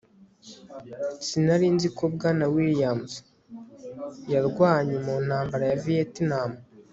sinari nzi ko bwana williams yarwanye mu ntambara ya vietnam